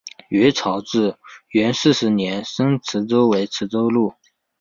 元朝至元十四年升池州为池州路。